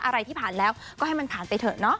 อะไรที่ผ่านแล้วก็ให้มันผ่านไปเถอะเนาะ